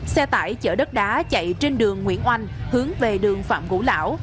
xe tải chở đất đá chạy trên đường nguyễn oanh hướng về đường phạm ngũ lão